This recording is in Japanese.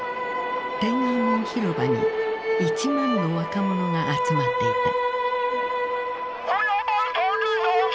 天安門広場に１万の若者が集まっていた。